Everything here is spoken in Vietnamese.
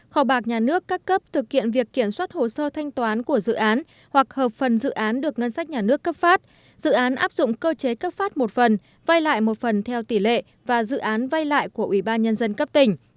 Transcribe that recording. kho bạc nhà nước các cấp thực hiện việc kiểm soát hồ sơ thanh toán của dự án hoặc hợp phần dự án được ngân sách nhà nước cấp phát dự án áp dụng cơ chế cấp phát một phần vay lại một phần theo tỷ lệ và dự án vay lại của ủy ban nhân dân cấp tỉnh